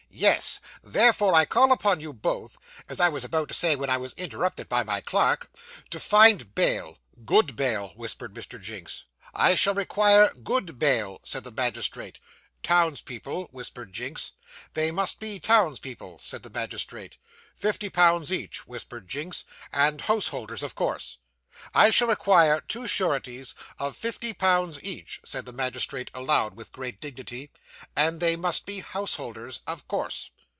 'Yes. Therefore, I call upon you both as I was about to say when I was interrupted by my clerk to find bail.' Good bail,' whispered Mr. Jinks. 'I shall require good bail,' said the magistrate. 'Town's people,' whispered Jinks. 'They must be townspeople,' said the magistrate. 'Fifty pounds each,' whispered Jinks, 'and householders, of course.' 'I shall require two sureties of fifty pounds each,' said the magistrate aloud, with great dignity, 'and they must be householders, of course.